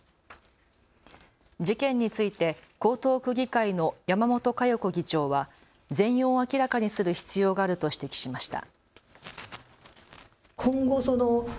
事件について江東区議会の山本香代子議長は全容を明らかにする必要があると指摘しました。